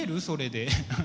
それで。